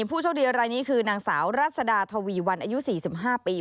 ผู้โชคดีอะไรนี้คือนางสาวรัศดาทวีวันอายุ๔๕ปี